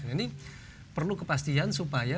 ini perlu kepastian supaya